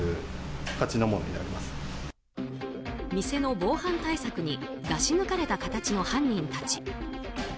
店の防犯対策に出し抜かれた形の犯人たち。